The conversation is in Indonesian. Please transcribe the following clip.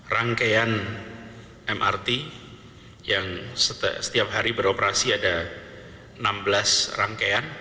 rangkaian mrt yang setiap hari beroperasi ada enam belas rangkaian